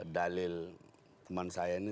dalil teman saya ini